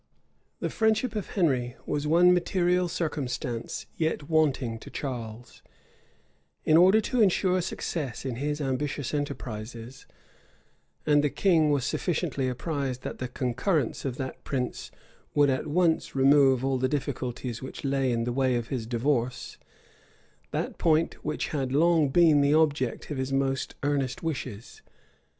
The friendship of Henry was one material circumstance yet wanting to Charles, in order to insure success in his ambitious enterprises; and the king was sufficiently apprised that the concurrence of that prince would at once remove all the difficulties which lay in the way of his divorce; that point which had long been the object of his most earnest wishes.